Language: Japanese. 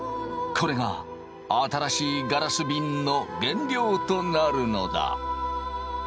これが新しいガラスびんの原料となるのだ。